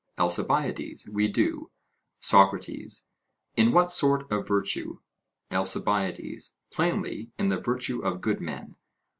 ALCIBIADES: We do. SOCRATES: In what sort of virtue? ALCIBIADES: Plainly, in the virtue of good men.